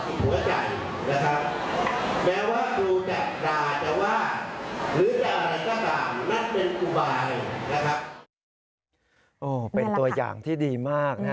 พเวอร์เป็นตัวอย่างที่ดีมากน่ะ